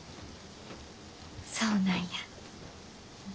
そうなんや。